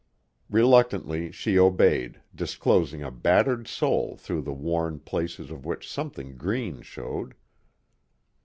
Reluctantly she obeyed, disclosing a battered sole through the worn places of which something green showed.